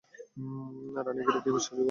রানি, গিরি কি বিশ্বাসযোগ্য?